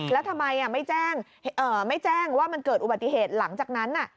แล้วทำไมไม่แจ้งว่ามันเกิดอุบัติเหตุหลังจากนั้น